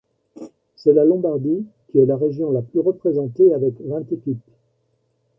C'est la Lombardie qui est la région la plus représentée, avec vingt équipes.